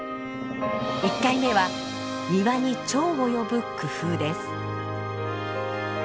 １回目は庭にチョウを呼ぶ工夫です。